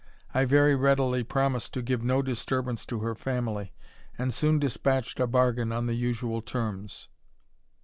I very readily promised to give no disturbance to her family, and soon dispatched a bargain on the usual terms.